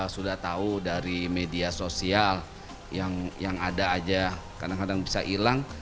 sudah tahu dari media sosial yang ada aja kadang kadang bisa hilang